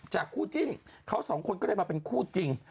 คู่จิ้นเขาสองคนก็เลยมาเป็นคู่จริง